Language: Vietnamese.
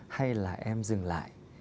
hay là em dừng lại